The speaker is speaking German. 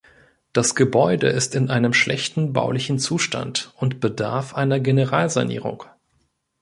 Das Gebäude ist in einem schlechten baulichen Zustand und bedarf einer Generalsanierung.